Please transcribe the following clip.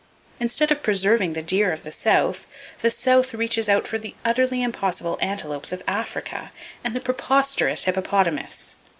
Instead of preserving the deer of the South, the South reaches out for the utterly impossible antelopes of Africa, and the preposterous hippopotamus.